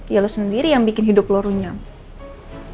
ya lo sendiri yang bikin hidup lo runyam